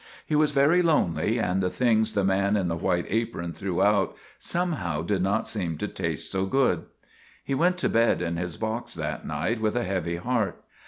He was very lonely, and the things the man in the white apron threw out somehow did not seem to taste so good. He went to bed in his box that night with a heavy heart.